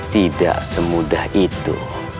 tidak semudah itu